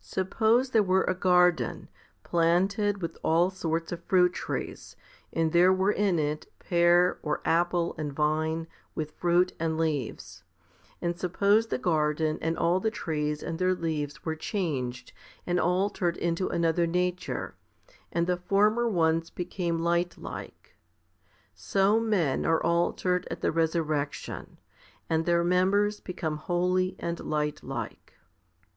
Suppose there were a garden, planted with all sorts of fruit trees, and there 1 i Cor. xv. 26. 2 Luke xxi. 18. HOMILY XV in were in it pear, or apple, and vine, with fruit and leaves ; and suppose the garden and all the trees and their leaves were changed and altered into another nature, and the former ones became light like; so men are altered at the resurrection, and their members become holy and light like.